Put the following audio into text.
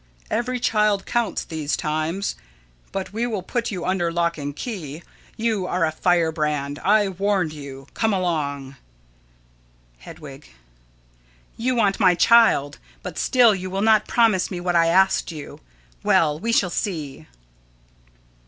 Every child counts these times. But we will put you under lock and key. You are a firebrand. I warned you. Come along. Hedwig: You want my child, but still you will not promise me what I asked you. Well, we shall see.